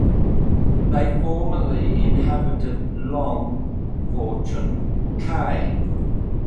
They formerly inhabited Long (Fortune) Cay.